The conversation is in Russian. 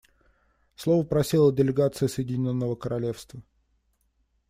Слова просила делегация Соединенного Королевства.